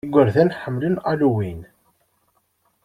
Igerdan ḥemmlen Halloween.